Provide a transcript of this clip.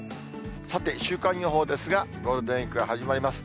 さて、週間予報ですが、ゴールデンウィーク始まります。